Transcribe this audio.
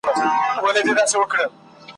لکه جوړه له ګوهرو له الماسه `